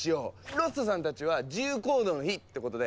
ロッソさんたちは自由行動の日ってことで。